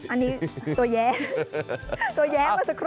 อันนี้ตัวแย้ตัวแย้เมื่อสักครู่